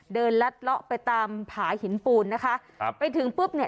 เดินลัดเหลาะไปตามผ่าหินปูนนะคะไปถึงปุ๊บเนี่ย